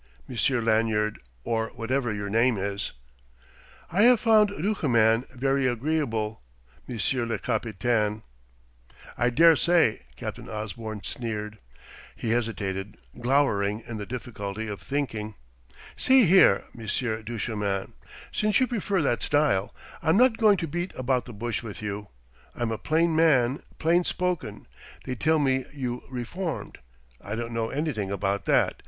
Monsieur Lanyard, or whatever your name is." "I have found Duchemin very agreeable, monsieur le capitaine." "I daresay," Captain Osborne sneered. He hesitated, glowering in the difficulty of thinking. "See here, Monsieur Duchemin since you prefer that style I'm not going to beat about the bush with you. I'm a plain man, plain spoken. They tell me you reformed. I don't know anything about that.